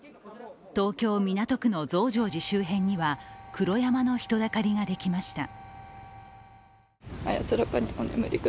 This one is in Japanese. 東京・港区の増上寺周辺には黒山の人だかりができました。